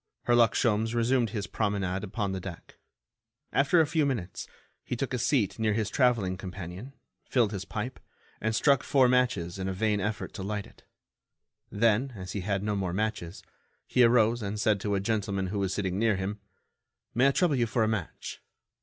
Herlock Sholmes resumed his promenade upon the deck. After a few minutes, he took a seat near his travelling companion, filled his pipe, and struck four matches in a vain effort to light it. Then, as he had no more matches, he arose and said to a gentleman who was sitting near him: "May I trouble you for a match?"